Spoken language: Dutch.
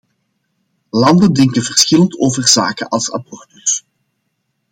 Landen denken verschillend over zaken als abortus.